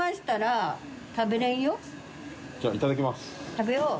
食べよう。